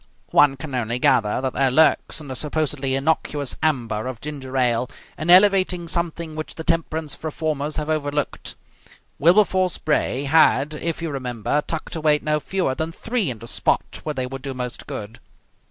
One can only gather that there lurks in the supposedly innocuous amber of ginger ale an elevating something which the temperance reformers have overlooked. Wilberforce Bray had, if you remember, tucked away no fewer than three in the spot where they would do most good.